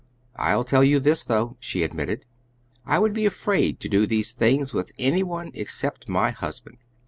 "I'll tell you this, though," she admitted, "I would be afraid to do these things with any one except my husband."